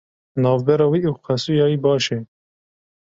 Navbera wî û xesûya wî baş e.